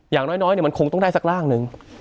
อย่างน้อยมันคงต้องได้สักร่างหนึ่ง